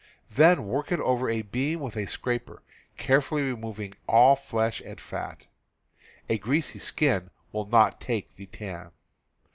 Then work it over a beam with the scraper, carefully removing all flesh and fat. A greasy skin will not take the tan.